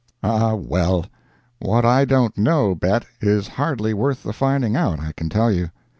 Ah, well—what I don't know, Bet, is hardly worth the finding out, I can tell you.